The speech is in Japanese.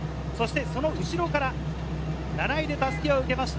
その後ろから７位で襷を受けました